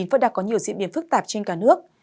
vẫn đang có nhiều diễn biến phức tạp trên cả nước